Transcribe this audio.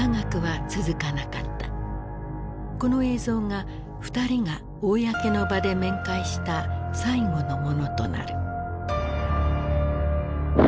この映像が２人が公の場で面会した最後のものとなる。